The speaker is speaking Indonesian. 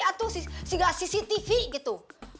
atuh si enggak cctv gitu